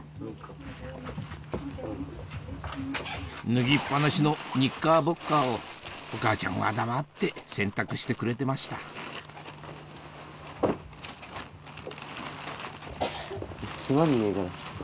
脱ぎっ放しのニッカーボッカーをお母ちゃんは黙って洗濯してくれてましたつまんねえから。